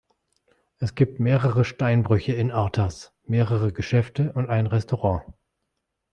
Es gibt mehrere Steinbrüche in Artas, mehrere Geschäfte und ein Restaurant.